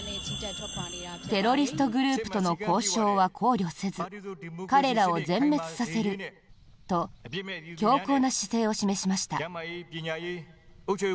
テロリストグループとの交渉は考慮せず彼らを全滅させると強硬な姿勢を示しました。